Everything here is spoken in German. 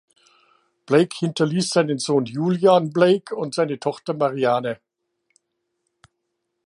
Blake hinterließ seinen Sohn Julian Blake und seine Tochter Mariane.